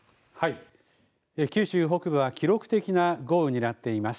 九州北部は記録的な豪雨になっています。